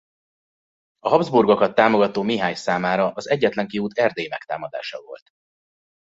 A Habsburgokat támogató Mihály számára az egyetlen kiút Erdély megtámadása volt.